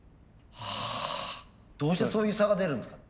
はどうしてそういう差が出るんですか？